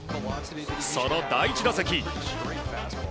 その第１打席。